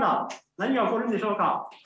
何が起こるんでしょうか？